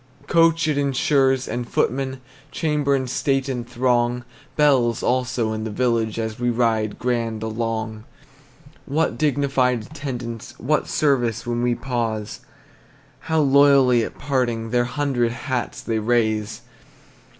Coach it insures, and footmen, Chamber and state and throng; Bells, also, in the village, As we ride grand along. What dignified attendants, What service when we pause! How loyally at parting Their hundred hats they raise!